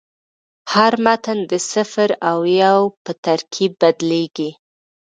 هر متن د صفر او یو په ترکیب بدلېږي.